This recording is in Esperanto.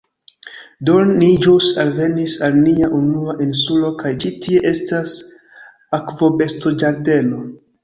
Do, ni ĵus alvenis al nia unua insulo kaj ĉi tie estas akvobestoĝardeno